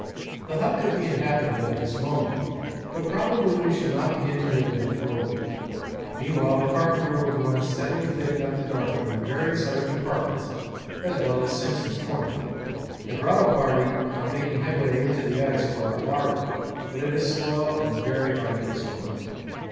The hut could be inhabited at this moment, but probably we shall not begin to live in it for a week. Meanwhile the carpenter will go on steadily fitting up the dark room and various other compartments as well as Simpson's Corner. The grotto party are making headway into the ice for our larder, but it is slow and very arduous work.